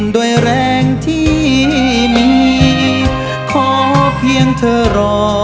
ด้วยแรงที่มีขอเพียงเธอรอ